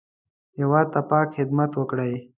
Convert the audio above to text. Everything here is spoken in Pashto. هېواد ته پاک خدمت وکړئ